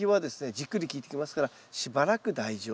じっくり効いてきますからしばらく大丈夫だということですね。